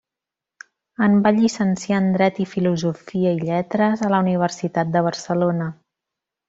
En va llicenciar en Dret i Filosofia i Lletres, a la Universitat de Barcelona.